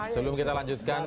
sebelum kita lanjutkan